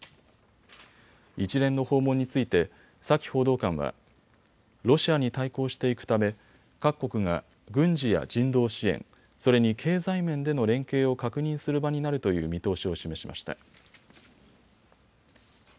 一連の訪問についてサキ報道官はロシアに対抗していくため各国が軍事や人道支援、それに経済面での連携を確認する場になるという見通しを示しました。